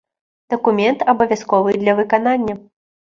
Дакумент абавязковы для выканання.